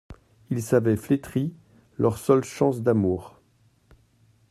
Ils savaient flétrie leur seule chance d'amour.